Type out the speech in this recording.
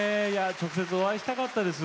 直接お会いしたかったです。